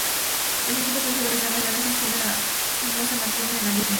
Los equipos vencedores de ambas llaves ascienden o se mantienen en la "Liga Premier".